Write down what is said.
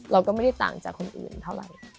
เราก็ไม่ได้ต่างจากคนอื่นเท่าไหร่